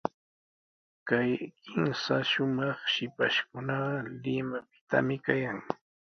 Kay kimsa shumaq shipashkunaqa Limapitami kayan.